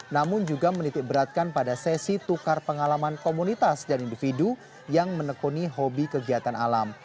namun juga menitik beratkan pada sesi tukar pengalaman komunitas dan individu yang menekuni hobi kegiatan alam